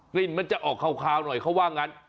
กลิ่นมันจะออกคาวหน่อยเขาว่างั้น